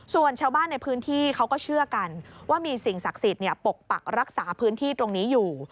ส่วนชาวบ้านในพื้นที่เขาก็เชื่อกันว่ามีสิ่งศักดิ์สิทธิ์ปกปักรักษาพื้นที่ตรงนี้อยู่